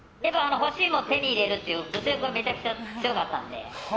欲しいもの手に入れるっていう物欲がめちゃくちゃ強かったので。